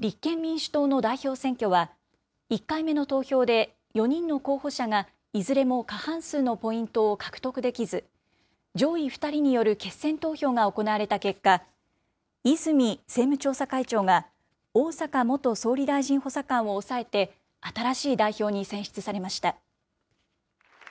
立憲民主党の代表選挙は、１回目の投票で４人の候補者がいずれも過半数のポイントを獲得できず、上位２人による決選投票が行われた結果、泉政務調査会長が、逢坂元総理大臣補佐官を抑えて、新しい代表に選出されました。